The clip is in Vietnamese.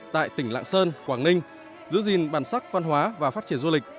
tại tỉnh lạng sơn quảng ninh giữ gìn bản sắc văn hóa và phát triển du lịch